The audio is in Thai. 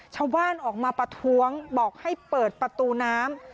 ชาวบ้านออกมาประท้วงบอกให้เปิดประตูน้ำ